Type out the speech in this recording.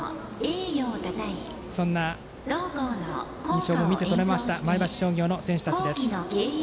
そんな印象も見て取れました前橋商業の選手たち。